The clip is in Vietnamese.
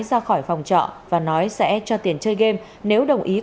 ra khỏi phòng trọ và nói sẽ cho tiền chơi game